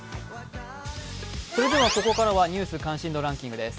ここからは「ニュース関心度ランキング」です。